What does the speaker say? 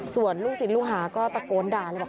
ส่วนลูกสินลูกหาก็ตะโกนด่าเลย